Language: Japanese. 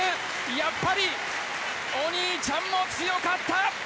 やっぱりお兄ちゃんも強かった。